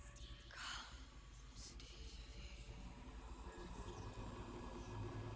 jalan kung jalan se di sini ada pesta besar besaran